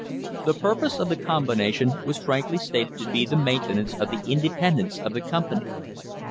The purpose of the combination was frankly stated to be the maintenance of the independence of the company.